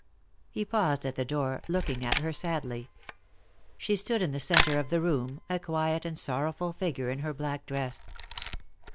He paused at the door, looking at her sadly. She stood in the centre of the room, a quiet and sorrowful figure in her black dress.